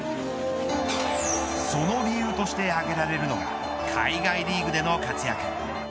その理由として挙げられるのが海外リーグでの活躍。